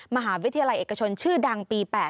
มหาวิทยาลัยเอกชนชื่อดังปี๘